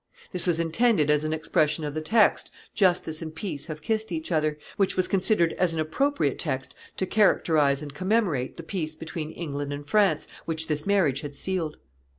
This was intended as an expression of the text, justice and peace have kissed each other, which was considered as an appropriate text to characterize and commemorate the peace between England and France which this marriage had sealed.